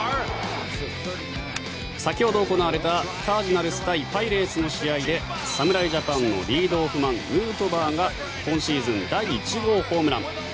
先ほど行われたカージナルス対パイレーツの試合で侍ジャパンのリードオフマンヌートバーが今シーズン第１号ホームラン。